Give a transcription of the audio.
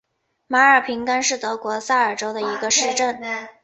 马尔平根是德国萨尔州的一个市镇。